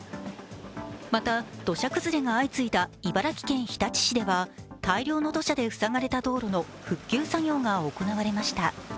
また、土砂崩れが相次いだ茨城県日立市では大量の土砂で塞がれた道路の復旧作業が行われました。